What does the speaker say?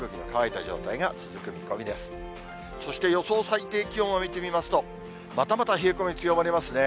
そして予想最低気温を見てみますと、またまた冷え込み強まりますね。